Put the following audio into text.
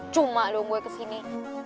cuma dong gue kesini